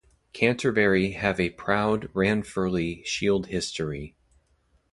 Canterbury have a proud Ranfurly Shield history.